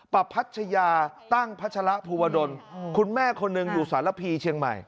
ประพัชยาตั้งพัชระภูวดลคุณแม่คนหนึ่งอยู่สารพีเชียงใหม่